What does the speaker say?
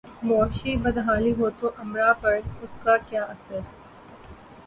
معاشی بدحالی ہو توامراء پہ اس کا کیا اثر؟